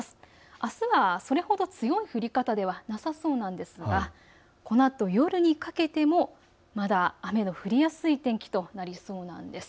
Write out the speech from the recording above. あすはそれほど強い降り方ではなさそうですがこのあと夜にかけてもまだ雨が降りやすくなりそうです。